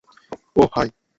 ওহ, high!